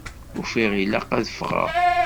Ufiɣ ilaq ad d-ffɣeɣ.